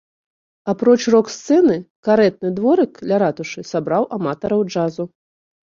Апроч рок-сцэны карэтны дворык ля ратушы сабраў аматараў джазу.